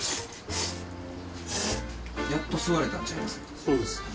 やっと座れたんじゃないですか？